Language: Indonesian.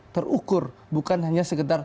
terukur bukan hanya sekedar